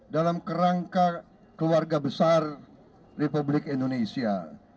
dalam kerangka keluarga besar republik indonesia